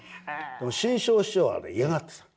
でも志ん生師匠はね嫌がってた。